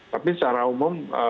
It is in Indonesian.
tapi secara umum